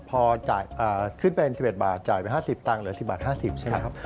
พอจ่ายขึ้นเป็น๑๑บาทจ่ายไป๕๐ตังค์เหลือ๑๐บาท๕๐ใช่ไหมครับ